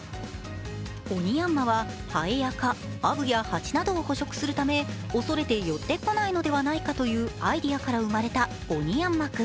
おにやんまは、ハエや蚊アブやハチなどを捕食するため恐れて寄ってこないのではないかというアイデアから生まれたおにやんま君。